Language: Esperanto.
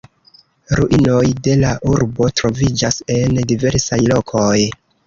Ruinoj de la urbo troviĝas en diversaj lokoj.